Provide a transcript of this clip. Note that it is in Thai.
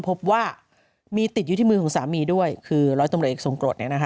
พบว่ามีติดอยู่ที่มือของสามีด้วยคือร้อยตำรวจเอกทรงกรดเนี่ยนะฮะ